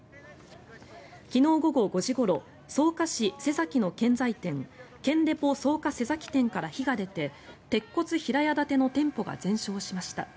昨日午後５時ごろ草加市瀬崎の建材店建デポ草加瀬崎店から火が出て鉄骨平屋建ての店舗が全焼しました。